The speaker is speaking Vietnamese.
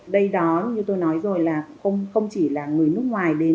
đây đó như tôi nói rồi là không chỉ là người nước ngoài đến